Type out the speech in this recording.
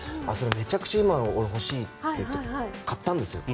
めちゃくちゃ今俺、欲しいって言って買ったんですよ。